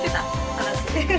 話。